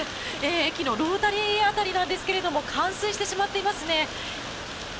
駅のロータリー辺りなんですが冠水してしまっていますね。